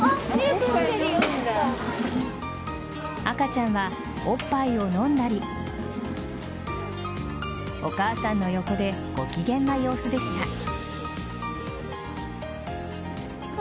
赤ちゃんはおっぱいを飲んだりお母さんの横でご機嫌な様子でした。